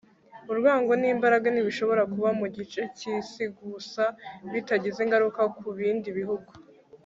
urwango n'imbaraga ntibishobora kuba mu gice cy'isi gusa bitagize ingaruka ku bindi bihugu